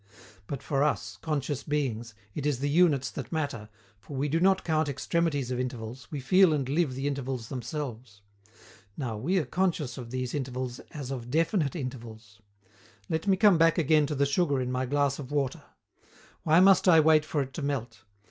But for us, conscious beings, it is the units that matter, for we do not count extremities of intervals, we feel and live the intervals themselves. Now, we are conscious of these intervals as of definite intervals. Let me come back again to the sugar in my glass of water: why must I wait for it to melt?